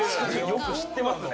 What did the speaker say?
よく知ってますね。